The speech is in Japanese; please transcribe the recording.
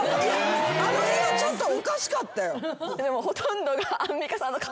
あの日はちょっとおかしかったよ。